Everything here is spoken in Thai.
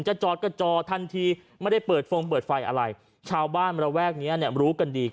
จอดก็จอทันทีไม่ได้เปิดฟงเปิดไฟอะไรชาวบ้านระแวกเนี้ยรู้กันดี